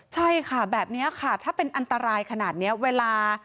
ใช่ค่ะแบบนี้ค่ะถ้าเป็นอันตรายขนาดนี้เวลา